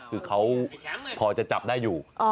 คือเขาพอจะจับได้อยู่